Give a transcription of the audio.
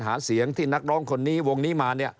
หาเสียงที่นักร้องคนนี้วงนี้มาเนี่ย